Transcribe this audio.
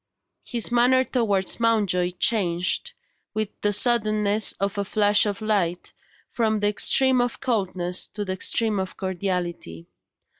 His manner towards Mountjoy changed, with the suddenness of a flash of light, from the extreme of coldness to the extreme of cordiality.